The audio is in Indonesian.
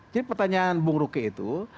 jadi pertanyaan bung roke itu